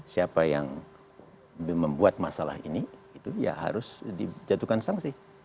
siapa yang membuat masalah ini itu ya harus dijatuhkan sanksi